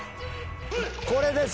これです。